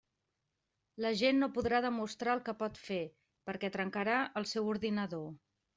La gent no podrà demostrar el que pot fer, perquè trencarà el seu ordinador.